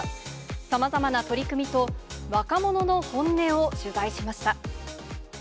さまざまな取り組みと、若者の本音を取材しました。